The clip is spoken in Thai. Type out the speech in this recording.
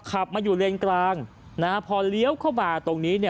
ขับมาอยู่เรียนกลางพอเลี้ยวเข้ามาตรงนี้